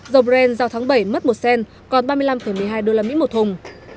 dầu brent giao tháng bảy mất một cent còn ba mươi năm một mươi hai usd một thùng